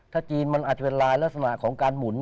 ถ้าจีนมันอาจจะเป็นลายลักษณะของการหมุน